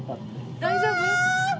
大丈夫？